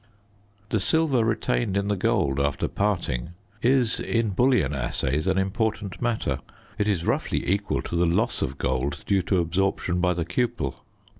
The silver retained in the gold after parting is, in bullion assays, an important matter; it is roughly equal to the loss of gold due to absorption by the cupel.